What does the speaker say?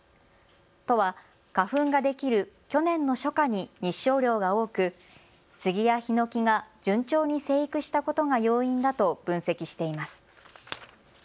都は花粉ができる去年の初夏に日照量が多くスギやヒノキが順調に生育したことが要因だと分析しています。